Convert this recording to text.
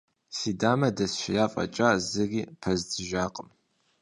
Си дамэр дэсшея фӀэкӀа, зыри пэздзыжакъым.